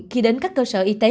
khi đến các cơ sở y tế